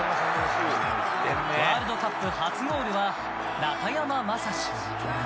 ワールドカップ初ゴールは中山雅史。